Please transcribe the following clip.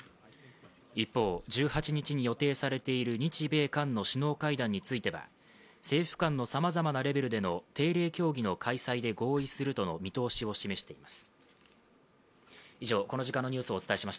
一方、１８日に予定されている日米韓の首脳会談については政府間のさまざまなレベルでの定例協議の開催で合意するとの見通しを示しています。